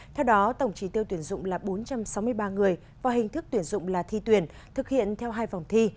theo đó tổng trí tiêu tuyển dụng là bốn trăm sáu mươi ba người và hình thức tuyển dụng là thi tuyển thực hiện theo hai vòng thi